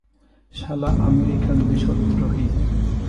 শালা আমেরিকান দেশদ্রোহী।